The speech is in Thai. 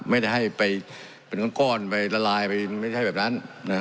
ไม่ได้ให้ไปเป็นก้อนก้อนไปละลายไปไม่ได้ให้แบบนั้นนะ